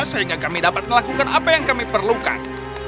sehingga kami dapat melakukan apa yang kami perlukan